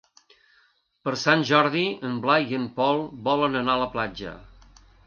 Per Sant Jordi en Blai i en Pol volen anar a la platja.